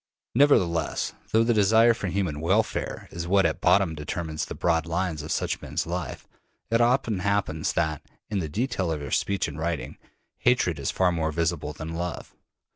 Nevertheless, though the desire for human welfare is what at bottom determines the broad lines of such men's lives, it often happens that, in the detail of their speech and writing, hatred is far more visible than love.